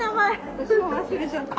私も忘れちゃった。